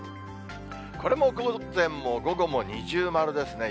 これも午前も午後も二重丸ですね。